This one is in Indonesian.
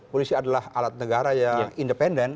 polisi adalah alat negara yang independen